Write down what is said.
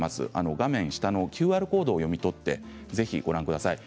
画面下のＱＲコードを読み取ってご覧ください。